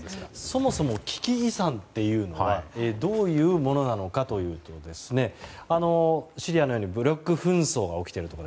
そもそも危機遺産というのはどういうものなのかというとシリアのように武力紛争が起きているとか